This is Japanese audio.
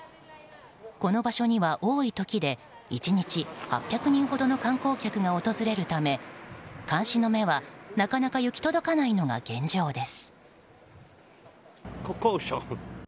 この場所には多い時で１日８００人ほどの観光客が訪れるため、監視の目はなかなか行き届かないのが現状です。